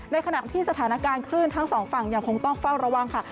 ในขณะที่สถานการณ์คลื่นทั้งสองฝั่งยังคงต้องเฝ้าระวังค่ะ